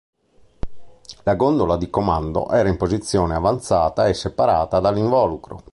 La gondola di comando era in posizione avanzata e separata dall'involucro.